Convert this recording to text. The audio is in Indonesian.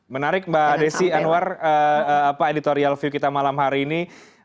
menarik mbak desi anwar editorial view kita malam hari ini